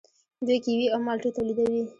دوی کیوي او مالټې تولیدوي.